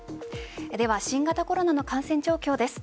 では、新型コロナの感染状況です。